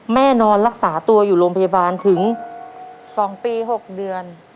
นอนรักษาตัวอยู่โรงพยาบาลถึง๒ปี๖เดือน